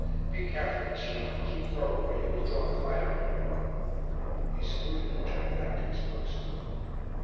Be careful, monsieur, and keep low, or you will draw the fire on you." He saluted, and turned back to his post.